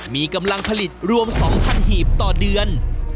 มีกำลังผลิตรวม๒๐๐หีบต่อเดือน